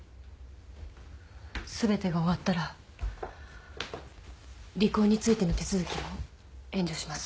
全てが終わったら離婚についての手続きも援助します。